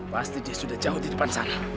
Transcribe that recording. pasti dia sudah jauh di depan sana